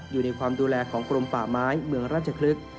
อยู่ในความดูแลของกรมป่าไม้เมืองราชพฤกษ์